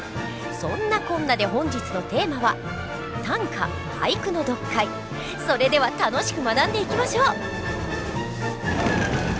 そんなこんなで本日のテーマはそれでは楽しく学んでいきましょう。